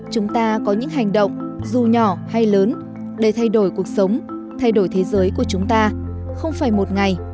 chúng ta có những hành động dù nhỏ hay lớn để thay đổi cuộc sống thay đổi thế giới của chúng ta không phải một ngày